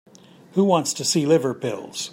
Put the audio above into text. Who wants to see liver pills?